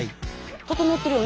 整ってるよね。